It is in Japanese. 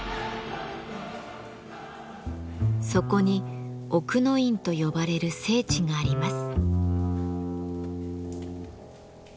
そこに奥の院と呼ばれる聖地があります。